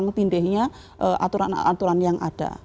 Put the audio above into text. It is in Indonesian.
jadi tumpang tindihnya aturan aturan yang ada